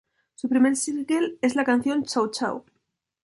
Su primer single es la canción "Chow Chow".